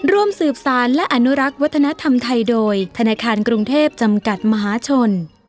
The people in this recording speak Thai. ร่วมสืบสารและอนุรักษ์วัฒนธรรมไทยโดยธนาคารกรุงเทพจำกัดมหาชน